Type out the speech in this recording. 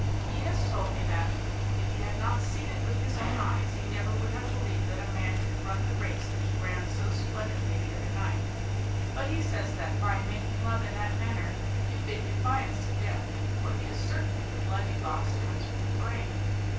He has told me that, if he had not seen it with his own eyes, he never would have believed that a man could run the race that you ran so splendidly the other night, but he says that, by making love in that manner, you bid defiance to death, for he is certain that the blood you lost comes from the brain.